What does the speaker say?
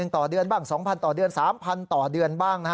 ต่อเดือนบ้าง๒๐๐ต่อเดือน๓๐๐ต่อเดือนบ้าง